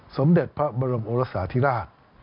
สมเด็จพระบรมโอรสาธิราช